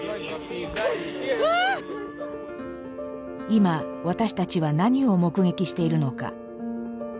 今私たちは何を目撃しているのか。